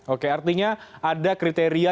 oke artinya ada kriteria